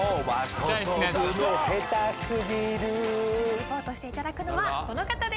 リポートしていただくのはこの方です。